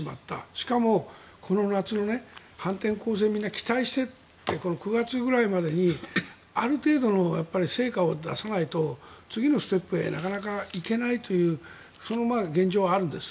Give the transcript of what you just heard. しかも、この夏の反転攻勢みんな期待していて９月ぐらいまでにある程度の成果を出さないと次のステップへなかなか行けないというその現状はあるんです。